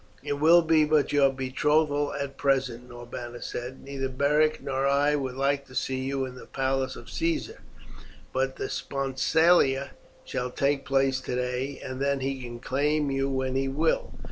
"It will be but your betrothal at present," Norbanus said. "Neither Beric nor I would like to see you in the palace of Caesar; but the sponsalia shall take place today, and then he can claim you when he will.